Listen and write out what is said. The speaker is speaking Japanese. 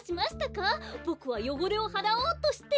ボクはよごれをはらおうとして。